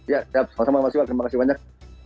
ya ya terima kasih banyak